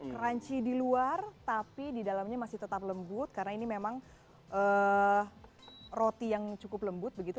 crunchy di luar tapi di dalamnya masih tetap lembut karena ini memang roti yang cukup lembut begitu